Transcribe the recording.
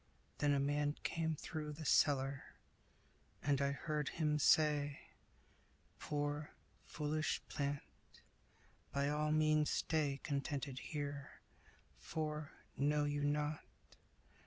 Then a man came through The cellar, and I heard him say, "Poor, foolish plant, by all means stay Contented here; for know you not?